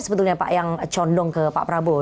sebetulnya pak yang condong ke pak prabowo